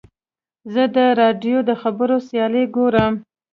زه د راډیو د خبرو سیالۍ ګورم.